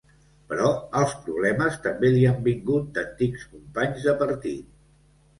Però els problemes també li han vingut d’antics companys de partit.